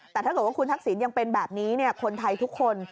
แต่ถ้าเกิดว่าคุณทักษิณยังเป็นแบบนี้คนไทยทุกคน